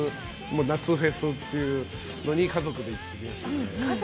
夏フェスっていうのに家族で行ってきましたね。